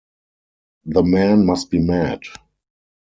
The man must be mad!